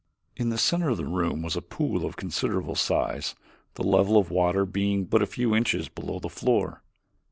In the center of the room was a pool of considerable size, the level of the water being but a few inches below the floor.